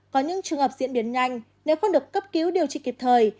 có những trường hợp diễn biến nhanh nếu không được cấp cứu điều trị kịp thời